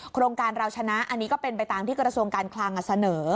โครงการเราชนะอันนี้ก็เป็นไปตามที่กระทรวงการคลังเสนอ